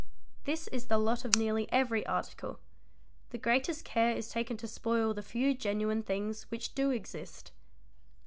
This is the lot of nearly every article; the greatest care is taken to spoil the few genuine things which do exist.